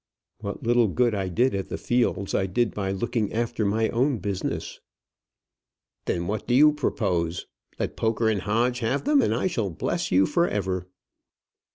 "What little good I did at the Fields I did by looking after my own business." "Then what do you propose? Let Poker & Hodge have them, and I shall bless you for ever."